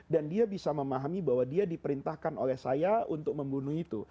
dan dia bisa memahami bahwa dia diperintahkan oleh saya untuk membunuh itu